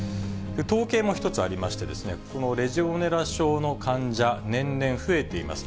統計も一つありまして、このレジオネラ症の患者、年々増えています。